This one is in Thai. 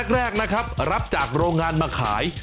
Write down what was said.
แรกนะครับรับจากโรงงานมาขาย